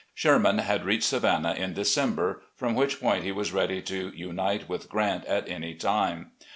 Sherman had reached Savannah in December, from which point he was ready to unite with Grant at any time.